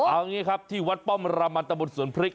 เอางี้ครับที่วัดป้อมรามันตะบนสวนพริก